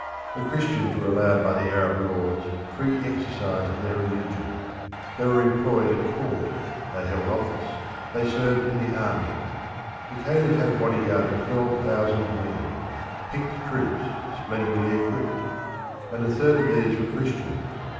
The Christians were allowed by the Arab laws free exercise of their religion. They were employed at court; they held office; they served in the army. The caliph had a bodyguard of twelve thousand men; picked troops, splendidly equipped; and a third of these were Christians.